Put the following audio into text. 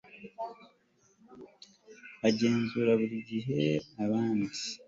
agenzura buri gihe abandi